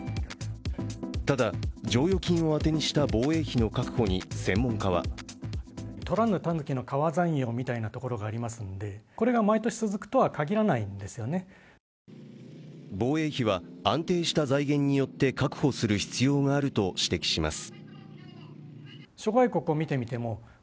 ただ、剰余金を充てにした防衛費の確保に専門家は防衛費は安定した財源によって確保する必要があると指摘します。